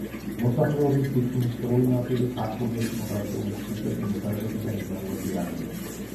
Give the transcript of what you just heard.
მოსახლეობის თითქმის სრული ნაწილი ქართული ეთნოგრაფიული ჯგუფები, მეგრელები და იმერლები არიან.